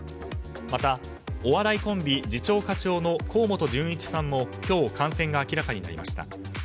また、お笑いコンビ次長課長の河本準一さんも今日、感染が明らかになりました。